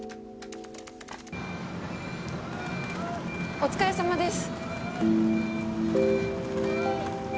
お疲れさまです。